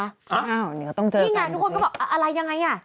อ้าวเดี๋ยวต้องเจอกันนี่ไงทุกคนก็บอกอะไรยังไง